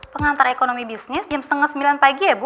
pengantar ekonomi bisnis jam setengah sembilan pagi ya bu